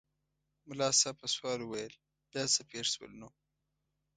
ملا صاحب په سوال وویل بیا څه پېښ شول نو؟